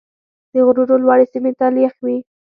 د غرونو لوړې سیمې تل یخ وي.